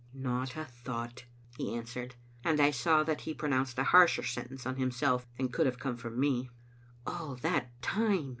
"Not a thought," he answered; and I saw that he pronounced a harsher sentence on himself than could have come from me. "All that time!"